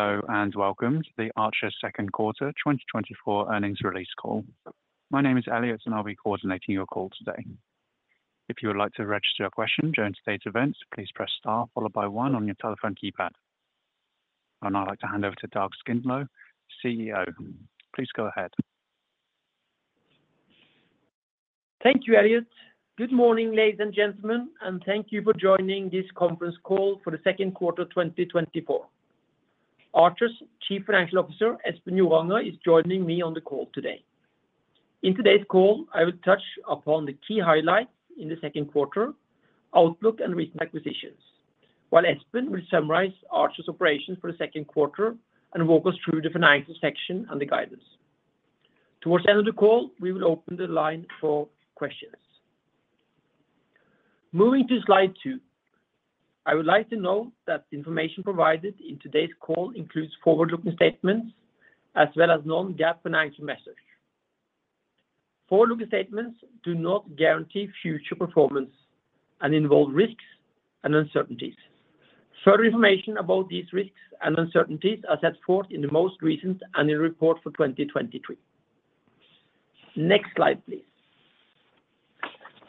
Hello, and welcome to Archer's second quarter 2024 earnings release call. My name is Elliot, and I'll be coordinating your call today. If you would like to register your question during today's event, please press star followed by one on your telephone keypad. I'd now like to hand over to Dag Skindlo, CEO. Please go ahead. Thank you, Elliot. Good morning, ladies and gentlemen, and thank you for joining this conference call for the second quarter of 2024. Archer's Chief Financial Officer, Espen Joranger, is joining me on the call today. In today's call, I will touch upon the key highlights in the second quarter, outlook and recent acquisitions, while Espen will summarize Archer's operations for the second quarter and walk us through the financial section and the guidance. Towards the end of the call, we will open the line for questions. Moving to slide two, I would like to note that information provided in today's call includes forward-looking statements as well as non-GAAP financial measures. Forward-looking statements do not guarantee future performance and involve risks and uncertainties. Further information about these risks and uncertainties are set forth in the most recent annual report for 2023. Next slide, please.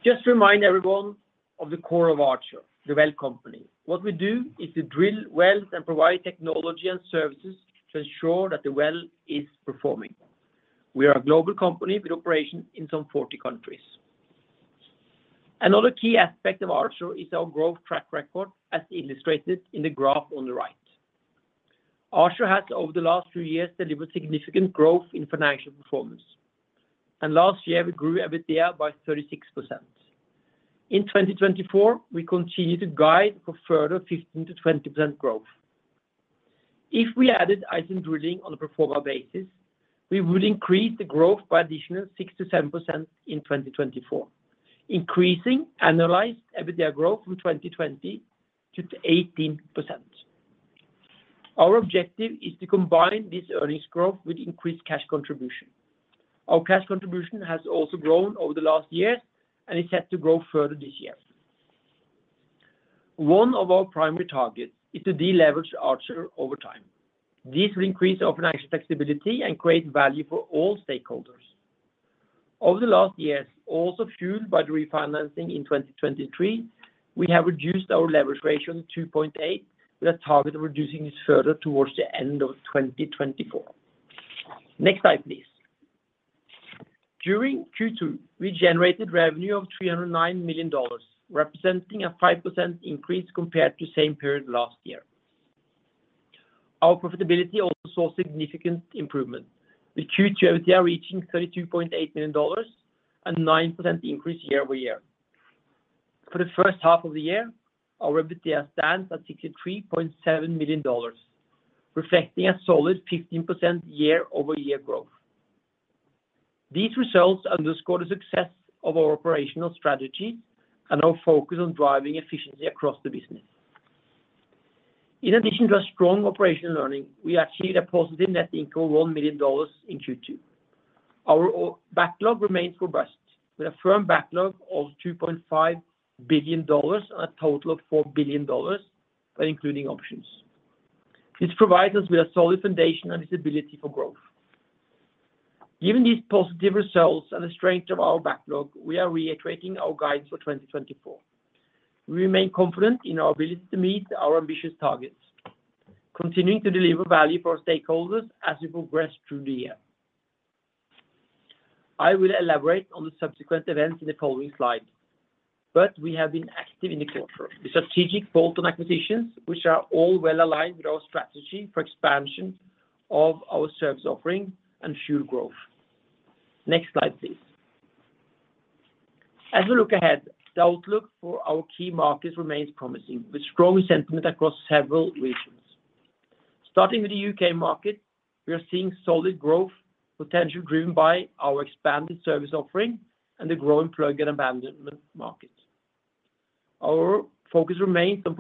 Just to remind everyone of the core of Archer, the well company. What we do is to drill wells and provide technology and services to ensure that the well is performing. We are a global company with operations in some 40 countries. Another key aspect of Archer is our growth track record, as illustrated in the graph on the right. Archer has, over the last few years, delivered significant growth in financial performance, and last year, we grew EBITDA by 36%. In 2024, we continue to guide for further 15%-20% growth. If we added Iceland Drilling on a pro forma basis, we would increase the growth by additional 6%-7% in 2024, increasing annualized EBITDA growth from 2020 to 18%. Our objective is to combine this earnings growth with increased cash contribution. Our cash contribution has also grown over the last years, and it's set to grow further this year. One of our primary targets is to deleverage Archer over time. This will increase our financial flexibility and create value for all stakeholders. Over the last years, also fueled by the refinancing in 2023, we have reduced our leverage ratio to 2.8, with a target of reducing this further towards the end of 2024. Next slide, please. During Q2, we generated revenue of $309 million, representing a 5% increase compared to the same period last year. Our profitability also saw significant improvement, with Q2 EBITDA reaching $32.8 million, a 9% increase year-over-year. For the first half of the year, our EBITDA stands at $63.7 million, reflecting a solid 15% year-over-year growth. These results underscore the success of our operational strategy and our focus on driving efficiency across the business. In addition to a strong operational earning, we achieved a positive net income of $1 million in Q2. Our backlog remains robust, with a firm backlog of $2.5 billion and a total of $4 billion by including options. This provides us with a solid foundation and visibility for growth. Given these positive results and the strength of our backlog, we are reiterating our guidance for 2024. We remain confident in our ability to meet our ambitious targets, continuing to deliver value for our stakeholders as we progress through the year. I will elaborate on the subsequent events in the following slide, but we have been active in the quarter with strategic bolt-on acquisitions, which are all well aligned with our strategy for expansion of our service offering and fuel growth. Next slide, please. As we look ahead, the outlook for our key markets remains promising, with strong sentiment across several regions. Starting with the U.K. market, we are seeing solid growth, potentially driven by our expanded service offering and the growing plug and abandonment market. Our focus remains on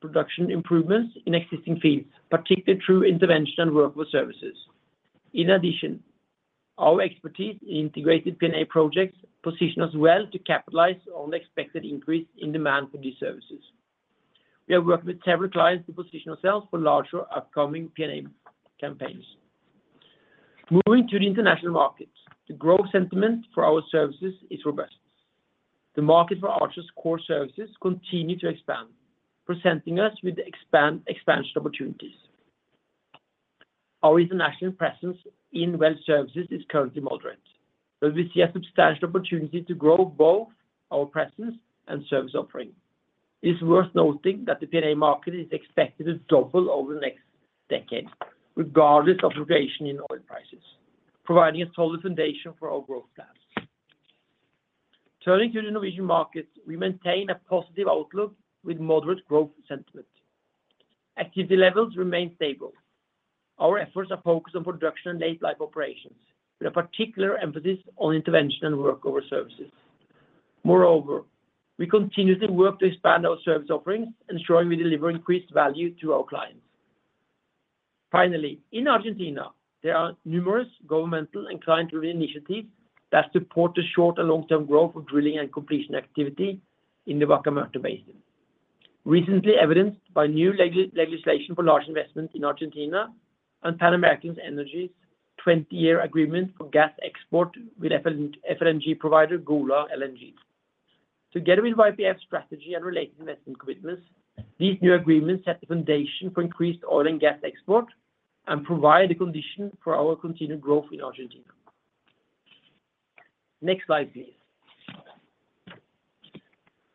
production improvements in existing fields, particularly through intervention and workover services. In addition, our expertise in integrated P&A projects position us well to capitalize on the expected increase in demand for these services. We are working with several clients to position ourselves for larger upcoming P&A campaigns. Moving to the international markets, the growth sentiment for our services is robust. The market for Archer's core services continue to expand, presenting us with expansion opportunities. Our international presence in well services is currently moderate, but we see a substantial opportunity to grow both our presence and service offering. It's worth noting that the P&A market is expected to double over the next decade, regardless of variation in oil prices, providing a solid foundation for our growth plans. Turning to the Norwegian market, we maintain a positive outlook with moderate growth sentiment. Activity levels remain stable. Our efforts are focused on production and late life operations, with a particular emphasis on intervention and workover services. Moreover, we continuously work to expand our service offerings, ensuring we deliver increased value to our clients. Finally, in Argentina, there are numerous governmental and client-driven initiatives that support the short- and long-term growth of drilling and completion activity in the Vaca Muerta Basin, recently evidenced by new legislation for large investments in Argentina and Pan American Energy's 20-year agreement for gas export with FLNG provider, Golar LNG. Together with YPF's strategy and related investment commitments, these new agreements set the foundation for increased oil and gas export and provide the condition for our continued growth in Argentina. Next slide, please.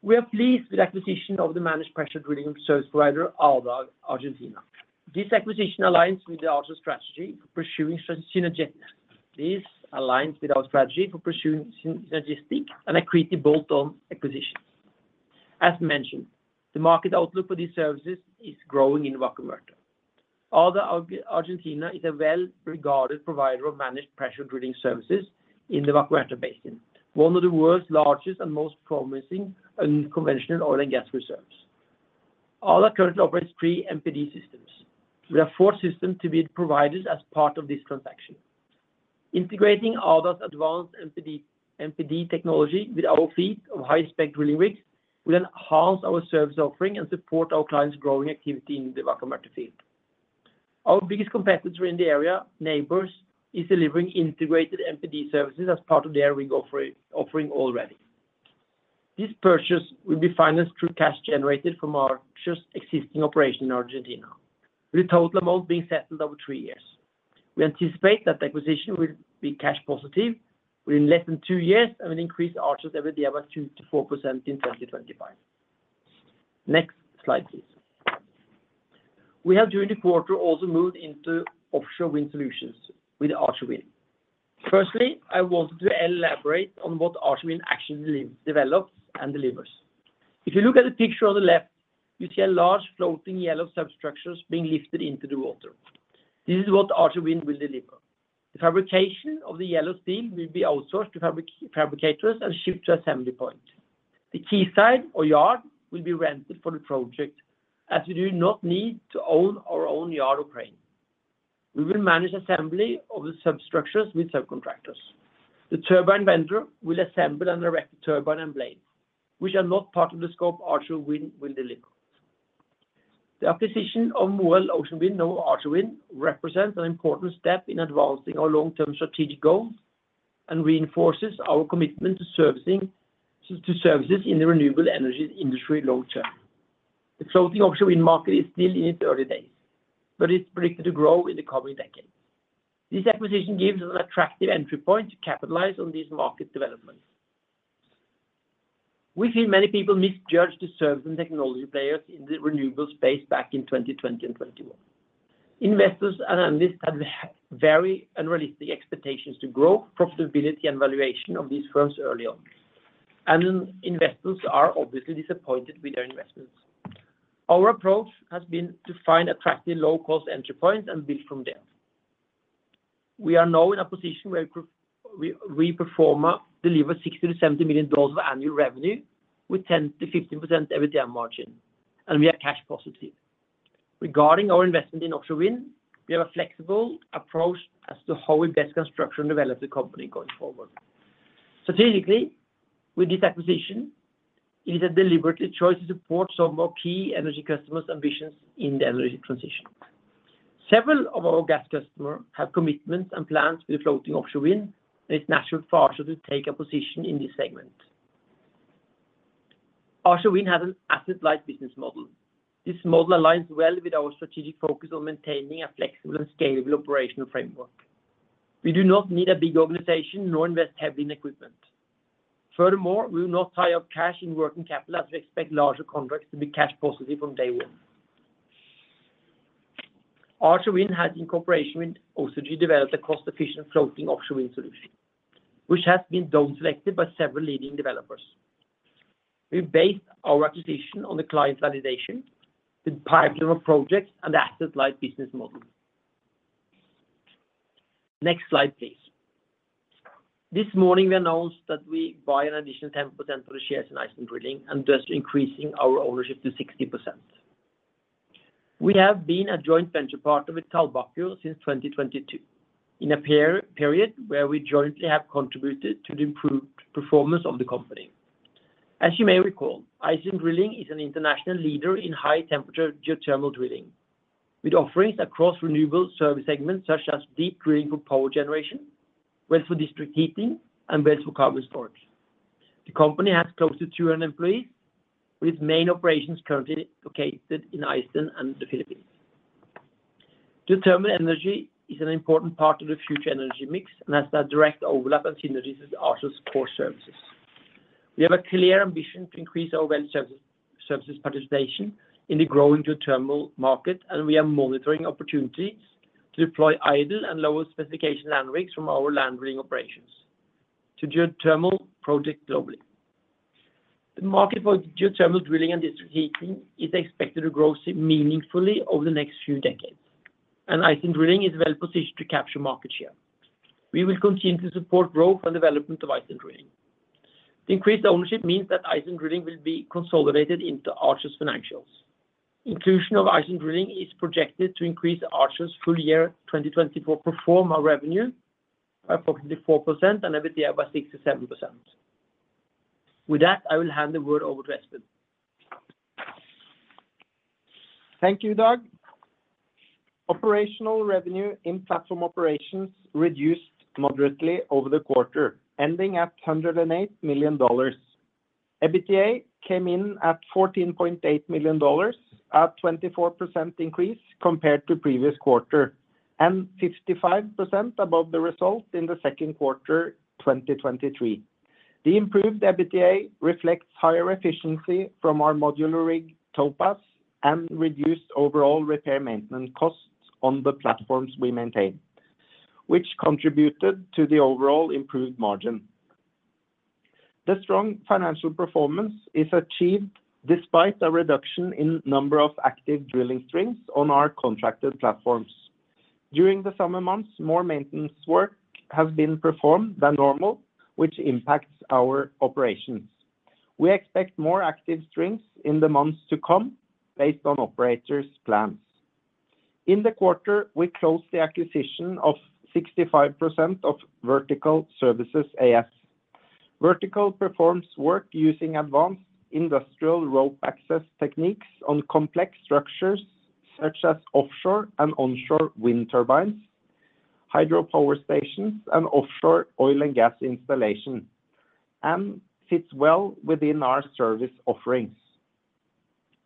We are pleased with the acquisition of the managed pressure drilling service provider, ADA Argentina. This acquisition aligns with the Archer strategy, pursuing synergistic. This aligns with our strategy for pursuing synergistic and accretive bolt-on acquisitions. As mentioned, the market outlook for these services is growing in Vaca Muerta. ADA Argentina is a well-regarded provider of managed pressure drilling services in the Vaca Muerta Basin, one of the world's largest and most promising unconventional oil and gas reserves. ADA currently operates three MPD systems, with four systems to be provided as part of this transaction. Integrating ADA's advanced MPD technology with our fleet of high-spec drilling rigs will enhance our service offering and support our clients' growing activity in the Vaca Muerta field. Our biggest competitor in the area, Nabors, is delivering integrated MPD services as part of their rig offering already. This purchase will be financed through cash generated from Archer's existing operation in Argentina, with total amount being settled over three years. We anticipate that the acquisition will be cash positive within less than two years, and will increase Archer's EBITDA 2%-4% in 2025. Next slide, please. We have, during the quarter, also moved into offshore wind solutions with the Archer Wind. First, I wanted to elaborate on what Archer Wind actually develops and delivers. If you look at the picture on the left, you see a large floating yellow substructure being lifted into the water. This is what Archer Wind will deliver. The fabrication of the yellow steel will be outsourced to fabricators and shipped to assembly point. The quayside or yard will be rented for the project, as we do not need to own our own yard or crane. We will manage assembly of the substructures with subcontractors. The turbine vendor will assemble and erect the turbine and blades, which are not part of the scope Archer Wind will deliver. The acquisition of Moreld Ocean Wind, now Archer Wind, represents an important step in advancing our long-term strategic goals and reinforces our commitment to services in the renewable energy industry long term. The floating offshore wind market is still in its early days, but it's predicted to grow in the coming decade. This acquisition gives us an attractive entry point to capitalize on these market developments. We see many people misjudge the service and technology players in the renewable space back in 2020 and 2021. Investors and analysts had very unrealistic expectations to grow profitability and valuation of these firms early on, and investors are obviously disappointed with their investments. Our approach has been to find attractive, low-cost entry points and build from there. We are now in a position where we perform, deliver $60-$70 million of annual revenue, with 10%-15% EBITDA margin, and we are cash positive. Regarding our investment in offshore wind, we have a flexible approach as to how we best construct and develop the company going forward. Strategically, with this acquisition, it is a deliberate choice to support some of our key energy customers' ambitions in the energy transition. Several of our gas customer have commitments and plans with floating offshore wind, and it's natural for Archer to take a position in this segment. Archer Wind has an asset-light business model. This model aligns well with our strategic focus on maintaining a flexible and scalable operational framework. We do not need a big organization, nor invest heavily in equipment. Furthermore, we will not tie up cash in working capital, as we expect larger contracts to be cash positive from day one. Archer Wind has, in cooperation with Ocergy, developed a cost-efficient floating offshore wind solution, which has been selected by several leading developers. We based our acquisition on the client validation, the pipeline of projects, and the asset-light business model. Next slide, please. This morning, we announced that we buy an additional 10% of the shares in Iceland Drilling, and thus increasing our ownership to 60%. We have been a joint venture partner with Kaldbakur since 2022, in a period where we jointly have contributed to the improved performance of the company. As you may recall, Iceland Drilling is an international leader in high-temperature geothermal drilling, with offerings across renewable service segments such as deep drilling for power generation, wells for district heating, and wells for carbon storage. The company has close to 200 employees, with its main operations currently located in Iceland and the Philippines. Geothermal energy is an important part of the future energy mix, and has a direct overlap and synergies with Archer's core services. We have a clear ambition to increase our well service, services participation in the growing geothermal market, and we are monitoring opportunities to deploy idle and lower-specification land rigs from our land drilling operations to geothermal projects globally. The market for geothermal drilling and district heating is expected to grow significantly meaningfully over the next few decades, and Iceland Drilling is well positioned to capture market share. We will continue to support growth and development of Iceland Drilling. The increased ownership means that Iceland Drilling will be consolidated into Archer's financials. The inclusion of Iceland Drilling is projected to increase Archer's full year 2024 pro forma revenue by approximately 4% and EBITDA by 6%-7%. With that, I will hand the word over to Espen. Thank you, Dag. Operational revenue in platform operations reduced moderately over the quarter, ending at $108 million. EBITDA came in at $14.8 million, a 24% increase compared to previous quarter, and 55% above the result in the second quarter, 2023. The improved EBITDA reflects higher efficiency from our modular rig, Topaz, and reduced overall repair maintenance costs on the platforms we maintain, which contributed to the overall improved margin. The strong financial performance is achieved despite a reduction in number of active drilling strings on our contracted platforms. During the summer months, more maintenance work has been performed than normal, which impacts our operations. We expect more active strings in the months to come based on operators' plans. In the quarter, we closed the acquisition of 65% of Vertikal Service AS. Vertikal performs work using advanced industrial rope access techniques on complex structures, such as offshore and onshore wind turbines, hydropower stations, and offshore oil and gas installation, and fits well within our service offerings.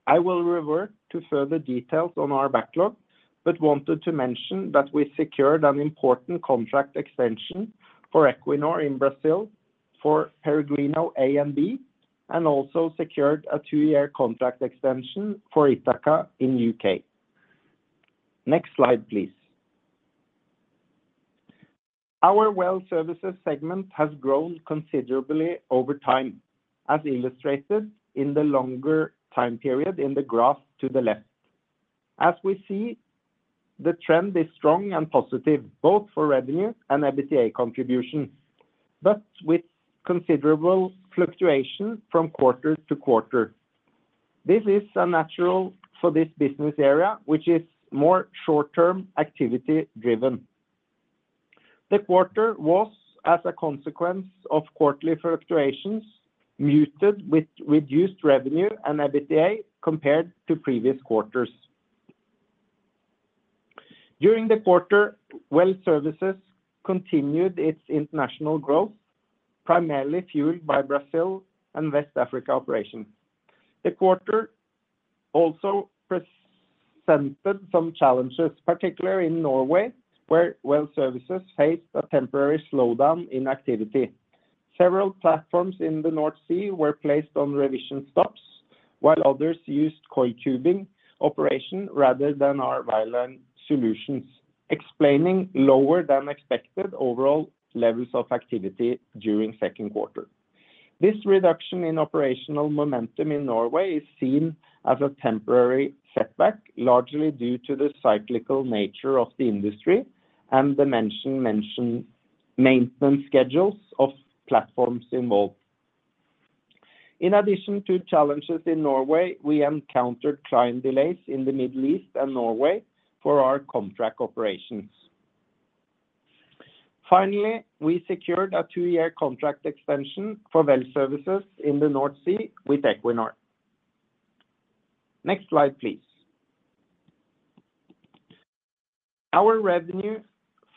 I will revert to further details on our backlog, but wanted to mention that we secured an important contract extension for Equinor in Brazil for Peregrino A and B, and also secured a two-year contract extension for Ithaca in U.K. Next slide, please. Our well services segment has grown considerably over time, as illustrated in the longer time period in the graph to the left. As we see, the trend is strong and positive, both for revenue and EBITDA contribution, but with considerable fluctuation from quarter to quarter. This is unnatural for this business area, which is more short-term activity-driven. The quarter was, as a consequence of quarterly fluctuations, muted with reduced revenue and EBITDA compared to previous quarters. During the quarter, well services continued its international growth, primarily fueled by Brazil and West Africa operations. The quarter also presented some challenges, particularly in Norway, where well services faced a temporary slowdown in activity. Several platforms in the North Sea were placed on revision stops, while others used coil tubing operation rather than our well intervention solutions, explaining lower than expected overall levels of activity during second quarter. This reduction in operational momentum in Norway is seen as a temporary setback, largely due to the cyclical nature of the industry and the maintenance schedules of platforms involved. In addition to challenges in Norway, we encountered client delays in the Middle East and Norway for our contract operations. Finally, we secured a 2-year contract extension for well services in the North Sea with Equinor. Next slide, please. Our revenue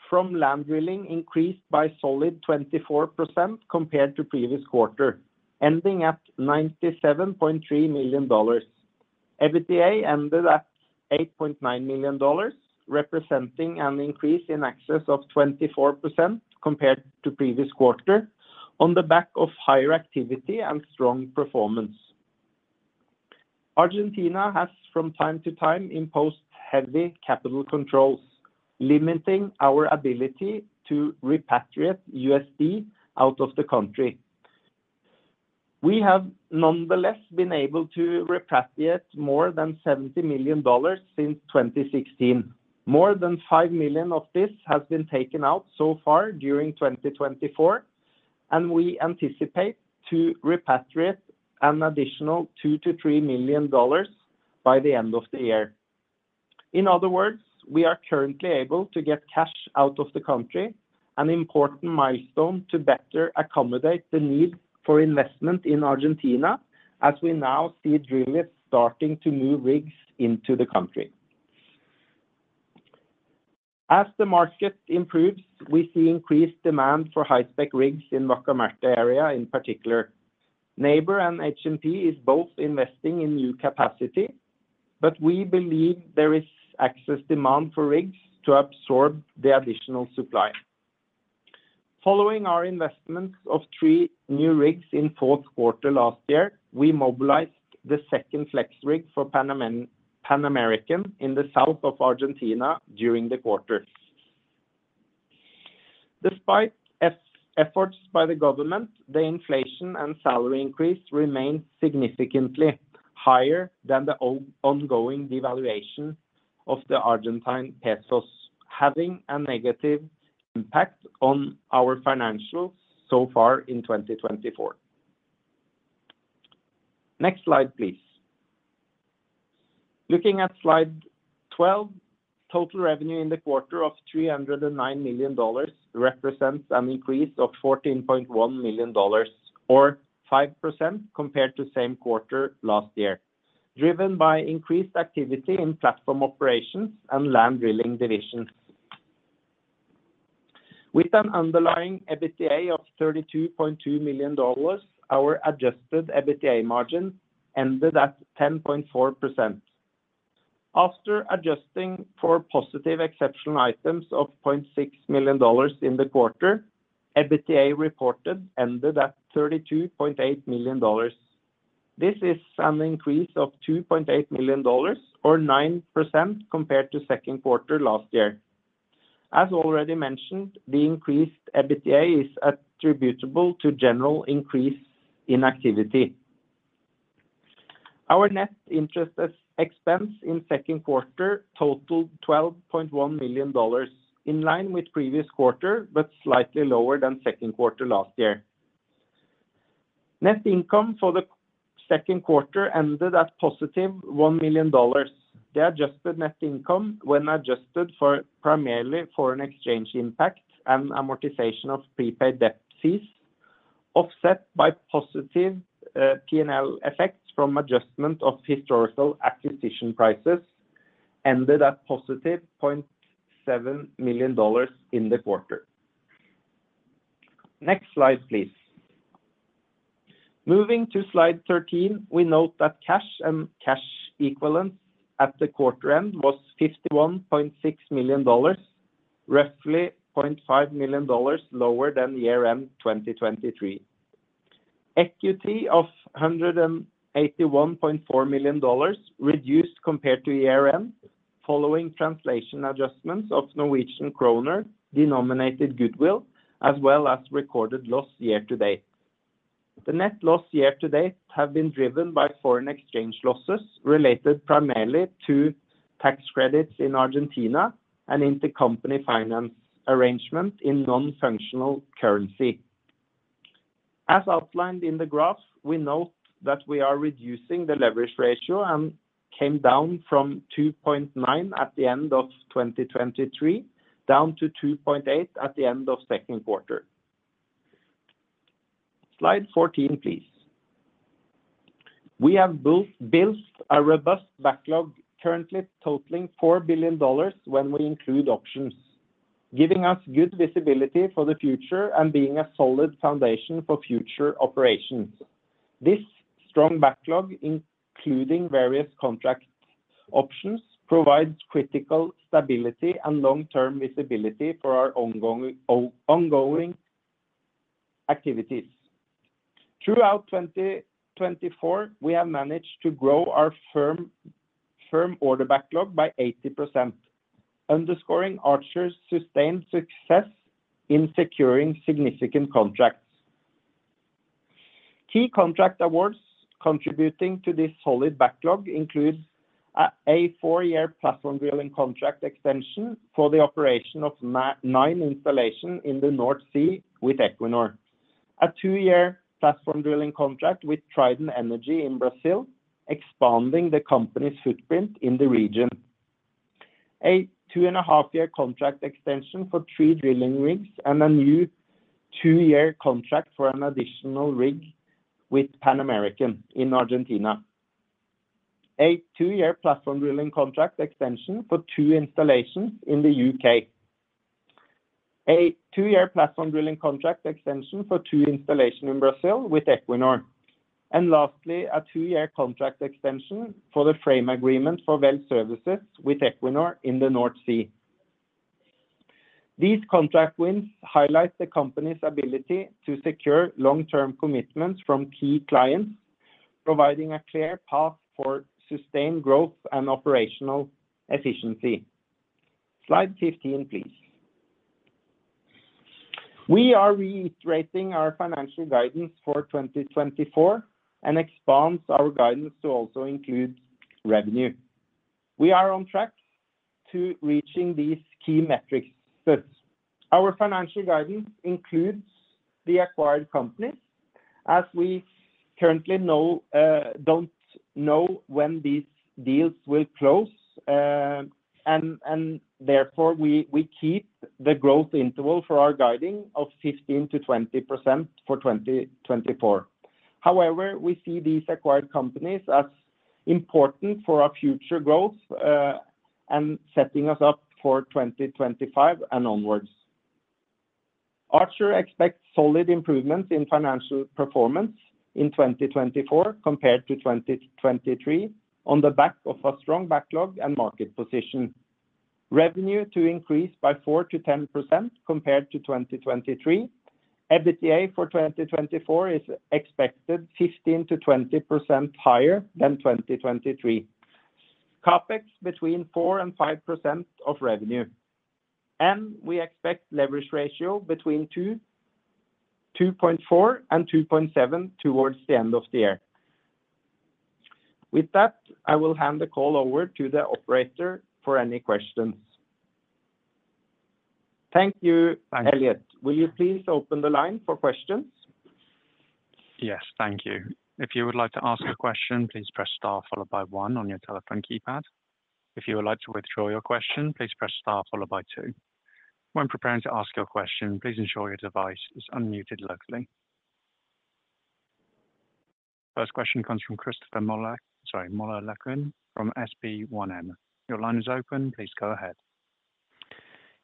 from land drilling increased by solid 24% compared to previous quarter, ending at $97.3 million. EBITDA ended at $8.9 million, representing an increase in excess of 24% compared to previous quarter on the back of higher activity and strong performance. Argentina has, from time to time, imposed heavy capital controls, limiting our ability to repatriate USD out of the country. We have nonetheless been able to repatriate more than $70 million since 2016. More than $5 million of this has been taken out so far during 2024, and we anticipate to repatriate an additional $2 million-$3 million by the end of the year. In other words, we are currently able to get cash out of the country, an important milestone to better accommodate the need for investment in Argentina, as we now see drillers starting to move rigs into the country. As the market improves, we see increased demand for high-spec rigs in Vaca Muerta area, in particular. Nabors and H&P is both investing in new capacity, but we believe there is excess demand for rigs to absorb the additional supply. Following our investments of three new rigs in fourth quarter last year, we mobilized the second flex rig for Pan American in the south of Argentina during the quarter. Despite efforts by the government, the inflation and salary increase remains significantly higher than the ongoing devaluation of the Argentine pesos, having a negative impact on our financials so far in 2024. Next slide, please. Looking at slide 12, total revenue in the quarter of $309 million represents an increase of $14.1 million, or 5% compared to same quarter last year, driven by increased activity in platform operations and land drilling divisions. With an underlying EBITDA of $32.2 million, our adjusted EBITDA margin ended at 10.4%. After adjusting for positive exceptional items of $0.6 million in the quarter, EBITDA reported ended at $32.8 million. This is an increase of $2.8 million or 9% compared to second quarter last year. As already mentioned, the increased EBITDA is attributable to general increase in activity. Our net interest expense in second quarter totaled $12.1 million, in line with previous quarter, but slightly lower than second quarter last year. Net income for the second quarter ended at $1 million. The adjusted net income, when adjusted for primarily foreign exchange impact and amortization of prepaid debt fees, offset by positive, P&L effects from adjustment of historical acquisition prices, ended at $0.7 million in the quarter. Next slide, please. Moving to slide 13, we note that cash and cash equivalents at the quarter-end was $51.6 million, roughly $0.5 million lower than the year-end 2023. Equity of $181.4 million reduced compared to year-end, following translation adjustments of Norwegian kroner denominated goodwill, as well as recorded loss year-to-date. The net loss year-to-date have been driven by foreign exchange losses related primarily to tax credits in Argentina and intercompany finance arrangement in non-functional currency. As outlined in the graph, we note that we are reducing the leverage ratio and came down from 2.9 at the end of 2023, down to 2.8 at the end of second quarter. Slide 14, please. We have built a robust backlog, currently totaling $4 billion when we include options, giving us good visibility for the future and being a solid foundation for future operations. This strong backlog, including various contract options, provides critical stability and long-term visibility for our ongoing activities. Throughout 2024, we have managed to grow our firm order backlog by 80%, underscoring Archer's sustained success in securing significant contracts. Key contract awards contributing to this solid backlog includes a 4-year platform drilling contract extension for the operation of nine installation in the North Sea with Equinor. A 2-year platform drilling contract with Trident Energy in Brazil, expanding the company's footprint in the region. A 2.5-year contract extension for 3 drilling rigs, and a new 2-year contract for an additional rig with Pan American Energy in Argentina. A 2-year platform drilling contract extension for two installations in the U.K. A 2-year platform drilling contract extension for two installation in Brazil with Equinor. And lastly, a 2-year contract extension for the frame agreement for well services with Equinor in the North Sea. These contract wins highlight the company's ability to secure long-term commitments from key clients, providing a clear path for sustained growth and operational efficiency. Slide 15, please. We are reiterating our financial guidance for 2024 and expands our guidance to also include revenue. We are on track to reaching these key metrics. Our financial guidance includes the acquired companies, as we currently don't know when these deals will close, and therefore we keep the growth interval for our guidance of 15%-20% for 2024. However, we see these acquired companies as important for our future growth, and setting us up for 2025 and onwards. Archer expects solid improvements in financial performance in 2024 compared to 2023 on the back of a strong backlog and market position. Revenue to increase by 4%-10% compared to 2023. EBITDA for 2024 is expected 15%-20% higher than 2023. CapEx between 4%-5% of revenue, and we expect leverage ratio between 2.4 and 2.7 towards the end of the year. With that, I will hand the call over to the operator for any questions. Thank you, Elliot. Will you please open the line for questions? Yes, thank you. If you would like to ask a question, please press star followed by one on your telephone keypad. If you would like to withdraw your question, please press star followed by two. When preparing to ask your question, please ensure your device is unmuted locally. First question comes from Christopher Møllerløkken from SB1M. Your line is open. Please go ahead.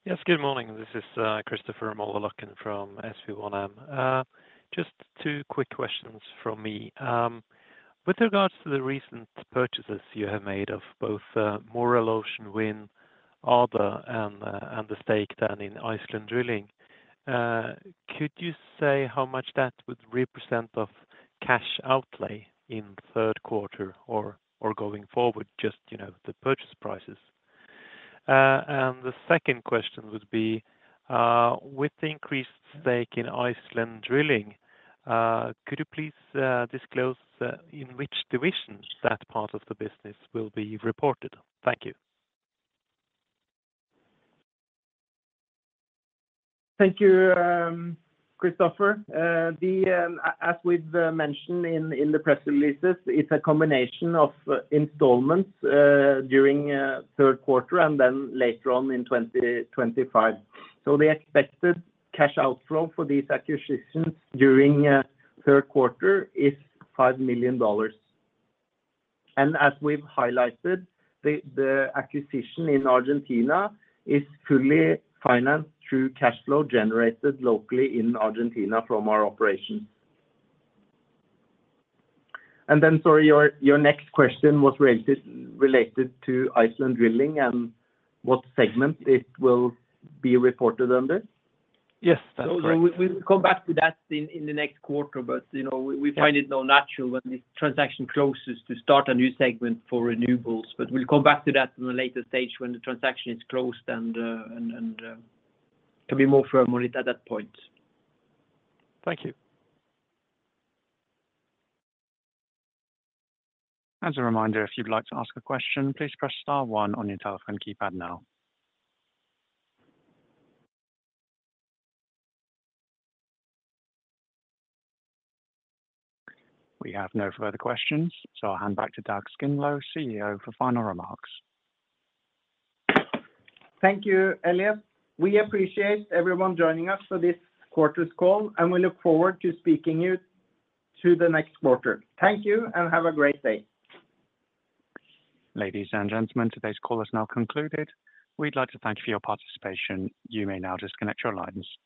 Yes, good morning. This is Christopher Møllerløkken from SB1M. Just two quick questions from me. With regards to the recent purchases you have made of both, Moreld Ocean Wind, ADA, and, and the stake down in Iceland Drilling, could you say how much that would represent of cash outlay in third quarter or, or going forward, just, you know, the purchase prices? And the second question would be, with the increased stake in Iceland Drilling, could you please disclose in which divisions that part of the business will be reported? Thank you. Thank you, Christopher. As we've mentioned in the press releases, it's a combination of installments during third quarter and then later on in 2025. So the expected cash outflow for these acquisitions during third quarter is $5 million. And as we've highlighted, the acquisition in Argentina is fully financed through cash flow generated locally in Argentina from our operations. And then, sorry, your next question was related to Iceland Drilling and what segment it will be reported under? Yes, that's correct. So we'll come back to that in the next quarter, but you know, we find it not natural when the transaction closes to start a new segment for renewables. But we'll come back to that in a later stage when the transaction is closed and can be more firm on it at that point. Thank you. As a reminder, if you'd like to ask a question, please press star one on your telephone keypad now. We have no further questions, so I'll hand back to Dag Skindlo, CEO, for final remarks. Thank you, Elliot. We appreciate everyone joining us for this quarter's call, and we look forward to speaking to you next quarter. Thank you, and have a great day. Ladies and gentlemen, today's call is now concluded. We'd like to thank you for your participation. You may now disconnect your lines.